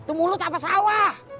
itu mulut apa sawah